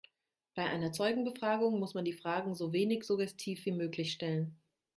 Bei einer Zeugenbefragung muss man die Fragen so wenig suggestiv wie möglich stellen.